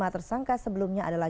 lima tersangka sebelumnya adalah